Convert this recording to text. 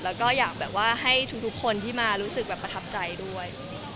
แล้วก็อยากแบบว่าให้ทุกคนที่มารู้สึกแบบประทับใจด้วย